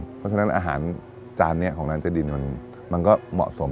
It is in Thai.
เพราะฉะนั้นอาหารจานนี้ของร้านเจดินมันก็เหมาะสม